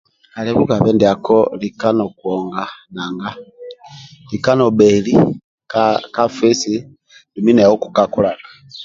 Ali bugabe ndiako lika nokuonga nanga lika nobheli ka ka fesi dumbi nawe okukulaga